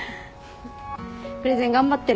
プレゼン頑張ってね。